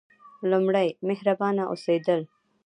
لومړی: مهربانه اوسیدل.